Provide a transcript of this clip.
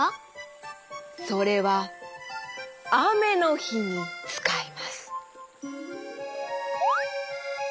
それはあめのひにつかいます。